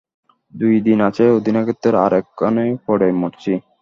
দুই দিন আছে অধিনায়কত্বের আর এখানে পড়ে মরছি।